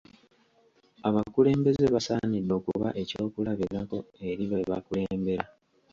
Abakulembeze basaanidde okuba ekyokulabirako eri be bakulembera.